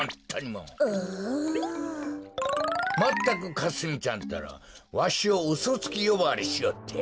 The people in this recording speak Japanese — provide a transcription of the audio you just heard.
まったくかすみちゃんったらわしをうそつきよばわりしおって。